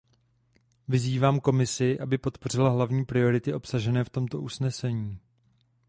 Vyzývám Komisi, aby podpořila hlavní priority obsažené v tomto usnesení.